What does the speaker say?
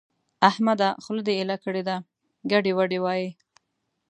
احمده! خوله دې ايله کړې ده؛ ګډې وډې وايې.